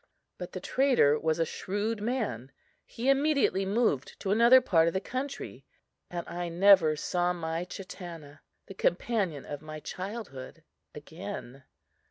But the trader was a shrewd man. He immediately moved to another part of the country; and I never saw my Chatanna, the companion of my childhood, again!